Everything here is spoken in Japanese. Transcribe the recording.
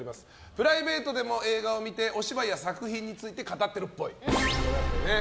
プライベートでも映画を見てお芝居や作品について語ってるっぽい。